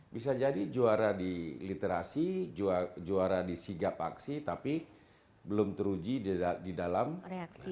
bisa jadi juara di literasi juara di sigap aksi tapi belum teruji di dalam reaksi